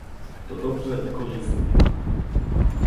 To dobrze i korzystnie